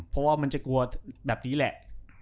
เพราะว่ามันจะกลัวแบบนี้แหละ